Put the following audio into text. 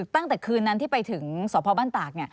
ตั้งแต่คืนนั้นที่ไปถึงสพบ้านตาก